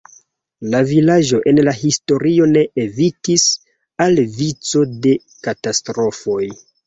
La vilaĝo en la historio ne evitis al vico de katastrofoj.